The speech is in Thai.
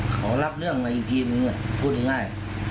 เขารับเรื่องมาอีกทีนึงพูดง่าย